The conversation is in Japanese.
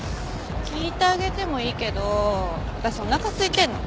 聞いてあげてもいいけど私お腹すいてんの。